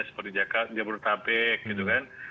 seperti jabodetabek gitu kan